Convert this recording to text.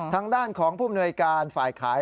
ทางด้านของผู้มนวยการฝ่ายขาย